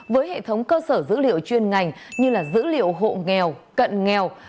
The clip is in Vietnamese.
với hệ thống cơ sở dữ liệu chuyên ngành như dữ liệu hộ nghèo cận nghèo